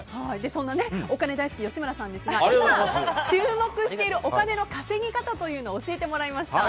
そんなお金大好き吉村さんですが注目しているお金の稼ぎ方教えてもらいました。